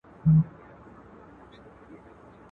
هم په اور هم په اوبو کي دي ساتمه.